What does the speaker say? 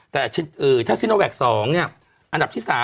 แต่ถ้าซิโนแวค๒อันดับที่๓